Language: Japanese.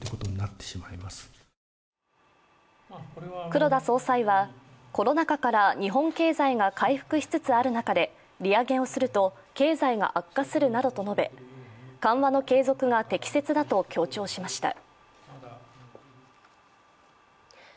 黒田総裁は、コロナ禍から日本経済が回復しつつある中で利上げをすると、経済が悪化するなどと述べ、緩和の継続が適切だと強調しました。